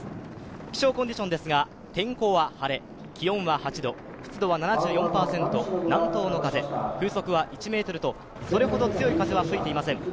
気象コンディションですが、天候は晴れ、気温は８度、湿度は７４％、南東の風風速は１メートルと、それほど強い風は吹いていません。